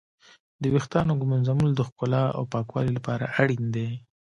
د ويښتانو ږمنځول د ښکلا او پاکوالي لپاره اړين دي.